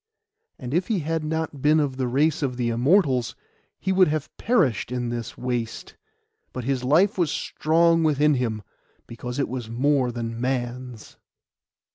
And if he had not been of the race of the Immortals, he would have perished in the waste; but his life was strong within him, because it was more than man's.